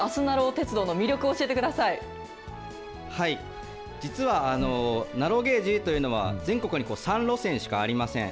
鉄道の魅力を教えてく実は、ナローゲージというのは、全国に３路線しかありません。